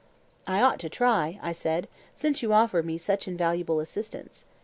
I ought to try, I said, since you offer me such invaluable assistance.